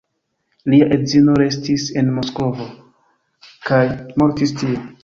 Lia edzino restis en Moskvo kaj mortis tie.